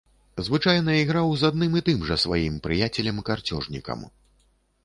Звычайна іграў з адным і тым жа сваім прыяцелем-карцёжнікам.